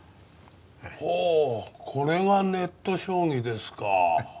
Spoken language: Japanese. ほうこれがネット将棋ですか。